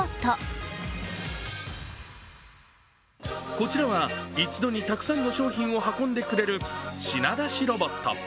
こちらは一度にたくさんの商品を運んでくれる品出しロボット。